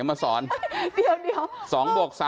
๓แล้วก็๔และ๕แล้วก็๖